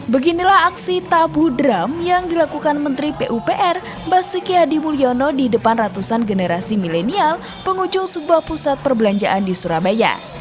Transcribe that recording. beginilah aksi tabu drum yang dilakukan menteri pupr basuki hadi mulyono di depan ratusan generasi milenial pengunjung sebuah pusat perbelanjaan di surabaya